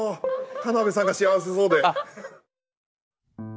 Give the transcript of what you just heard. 田辺さんが幸せそうで。